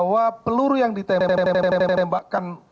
bahwa peluru yang ditembakkan